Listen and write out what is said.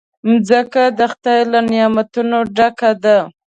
مځکه د خدای له نعمتونو ډکه ده.